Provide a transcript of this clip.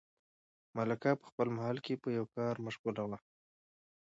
ملکه په خپل محل کې په یوه کار مشغوله وه.